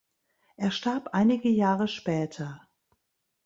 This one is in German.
Er starb einige Jahre später.